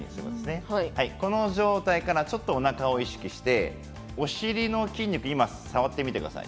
この状態から、おなかを意識してお尻の筋肉を触ってみてください。